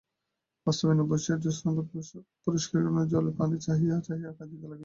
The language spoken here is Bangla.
বাতায়নে বসিয়া জ্যোৎস্নাসুপ্ত পুষ্করিণীর জলের পানে চাহিয়া চাহিয়া কাঁদিতে লাগিল।